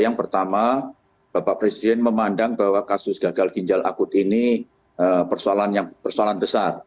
yang pertama bapak presiden memandang bahwa kasus gagal ginjal akut ini persoalan besar